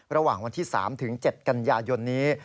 ระหว่างวันที่๓ถึง๗กันยายนนี้